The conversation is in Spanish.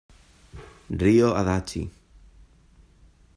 Ryo Adachi